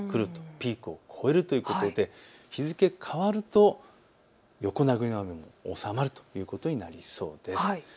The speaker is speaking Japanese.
ピークを越えるということで日付が変わると横殴りの雨も収まるということになりそうです。